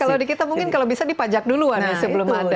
kalau di kita mungkin kalau bisa dipajak duluan ya sebelum ada